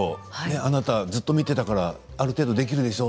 あなたずっと見てたからある程度できるでしょう？